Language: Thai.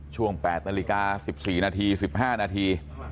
ช่วง๘นาฬิกา๑๔นาที๑๕นาที